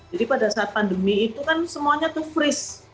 jadi pada saat pandemi itu kan semuanya tuh freeze